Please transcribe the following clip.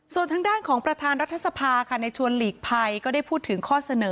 ส่วนทางด้านของประธานรัฐสภาค่ะในชวนหลีกภัยก็ได้พูดถึงข้อเสนอ